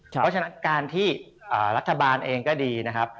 เพราะฉะนั้นการที่รัฐบาลเองก็ดีนะครับ